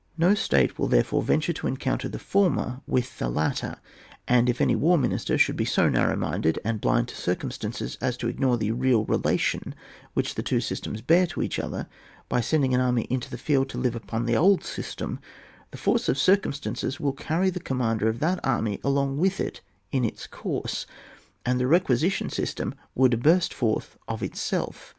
No state will therefore ven ture to encounter the former with the latter ; and if any war minister should be so narrow minded and blind to cir« cimistances as to ignore the real relation which the two systems bear to each other, by sending an army into the field to live upon the old system, the force of circum stances would carry the commander of that army along with it in its course, and the requisition system would burst forth of itself.